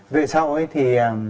về sau ấy thì